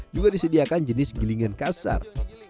juga disediakan jenis gilingan kasar